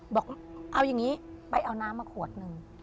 บอกเอาอย่างนี้ไปเอาน้ำมาขวดหนึ่ง